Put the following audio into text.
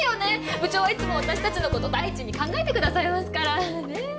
部長はいつも私たちのこと第一に考えてくださいますから。ねぇ？